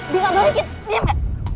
bila gue lagi diam gak